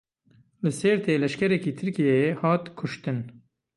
Li Sêrtê leşkerekî Tirkiyeyê hat kuştin.